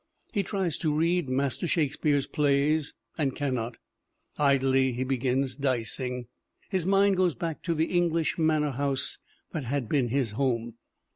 He tries to read Master Shakespeare's plays and cannot. Idly he begins dicing. His mind goes back to the English manorhouse that had been his home.